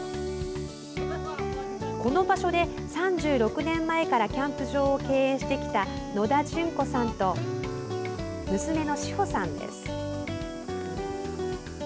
この場所で３６年前からキャンプ場を経営してきた野田淳子さんと娘の詩帆さんです。